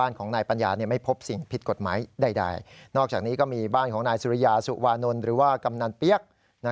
นอกจากนี้ก็มีบ้านของนายสุริยาสุวานนลหรือว่ากำนันเปี๊ยก